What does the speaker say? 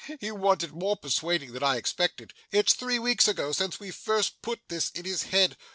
He wanted more persuading than I expected. It's three weeks ago, since we first put this in his head.